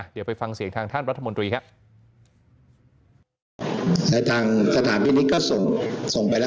เดี๋ยวไปฟังเสียงทางท่านรัฐมนตรีครับ